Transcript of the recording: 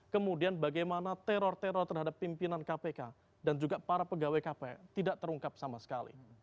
kemudian bagaimana teror teror terhadap pimpinan kpk dan juga para pegawai kpk tidak terungkap sama sekali